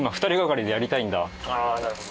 ああなるほど。